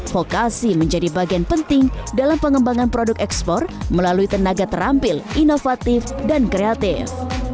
vokasi menjadi bagian penting dalam pengembangan produk ekspor melalui tenaga terampil inovatif dan kreatif